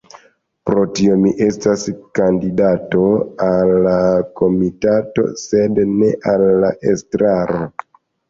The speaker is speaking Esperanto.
Pro tio mi estas kandidato al la komitato sed ne al la estraro.